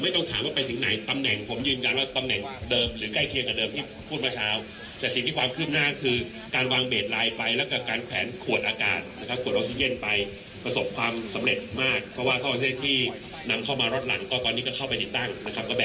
ตรงดอยผามีนะครับ